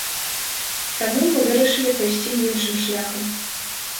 Таму мы вырашылі пайсці іншым шляхам.